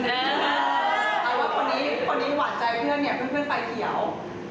ใครว่าคนนี้หวานใจเพื่อนเพื่อนไฟเขียว